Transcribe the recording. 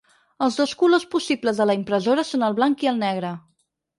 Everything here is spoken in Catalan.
Els dos colors possibles de la impressora són el blanc i el negre.